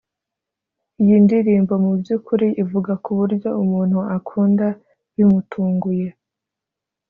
Iyi ndirimbo mu by’ukuri ivuga ku buryo umuntu akunda bimutunguye